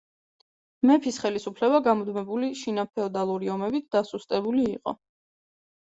მეფის ხელისუფლება გამუდმებული შინაფეოდალური ომებით დასუსტებული იყო.